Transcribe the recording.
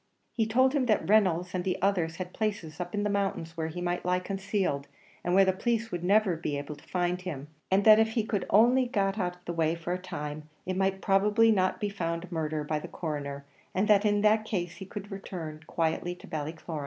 He told him that Reynolds and others had places up in the mountains where he might lie concealed, and where the police would never be able to find him; and that if he only got out of the way for a time, it might probably not be found murder by the Coroner, and that in that case he could return quietly to Ballycloran.